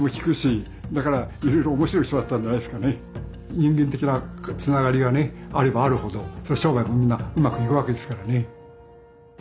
人間的なつながりがねあればあるほど商売もみんなうまくいくわけですからね。